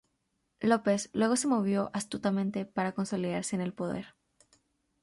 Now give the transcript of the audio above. López, luego se movió astutamente para consolidarse en el poder.